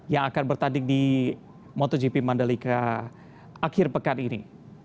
yang akan bertanding di motogp mandalika akhir pekan ini